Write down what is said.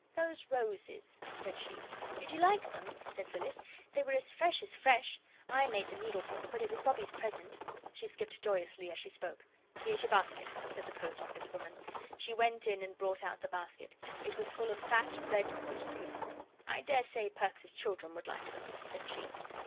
"Those roses," said she. "Did you like them?" said Phyllis; "they were as fresh as fresh. I made the needle book, but it was Bobbie's present." She skipped joyously as she spoke. "Here's your basket," said the Post office woman. She went in and brought out the basket. It was full of fat, red gooseberries. "I dare say Perks's children would like them," said she.